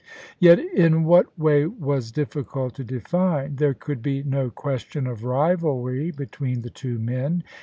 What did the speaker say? Yet in what way was difficult to define. There could be no question of rivalry between the two men.